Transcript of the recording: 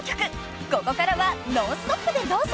［ここからはノンストップでどうぞ］